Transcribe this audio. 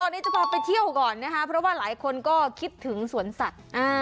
ตอนนี้จะพาไปเที่ยวก่อนนะคะเพราะว่าหลายคนก็คิดถึงสวนสัตว์